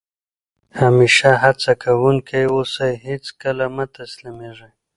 همېشه هڅه کوونکی اوسى؛ هېڅ کله مه تسلیمېږي!